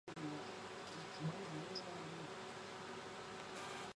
食用含有非白色或已成粉状的产孢组织的老的菌株可能会造成胃部不适。